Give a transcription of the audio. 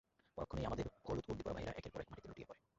পরক্ষণেই, আমাদের হলুদ উর্দিপরা ভাইয়েরা একের পর এক মাটিতে লুটিয়ে পড়ে।